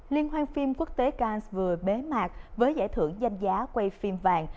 liên hoan phim quốc tế kans vừa bế mạc với giải thưởng danh giá quay phim vàng